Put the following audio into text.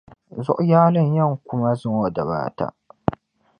Zuɣu yaali n yen kuma zuŋo dabaata.